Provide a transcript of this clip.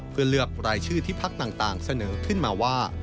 เพื่อเลือกรายชื่อที่พักต่างเสนอขึ้นมาว่า